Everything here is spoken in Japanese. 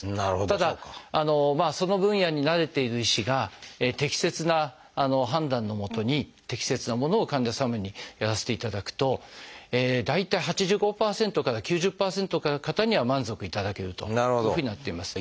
ただその分野に慣れている医師が適切な判断のもとに適切なものを患者様にやらせていただくと大体８５％から９０％の方には満足いただけるというふうになっています。